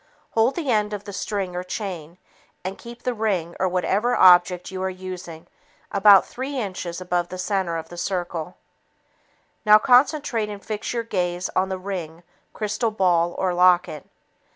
Hold the end of the string or chain and keep the ring or whatever object you are using about three inches above the center of the circle. Now, concentrate and fix your gaze on the ring, crystal ball, or locket.